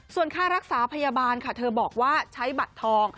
ส่วนค่ารักษาพยาบาลค่ะเธอบอกว่าใช้บัตรทอง